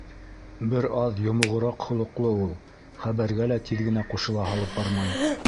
Бер аҙ йомоғораҡ холоҡло ул, хәбәргә лә тиҙ генә ҡушыла һалып бармай.